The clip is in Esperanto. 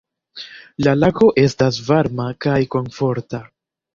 "La lago estas varma kaj komforta."